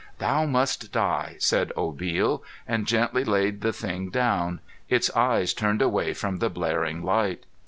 "Thou must die," said Obil, and gently laid the thing down, its eyes turned away from the blaring light.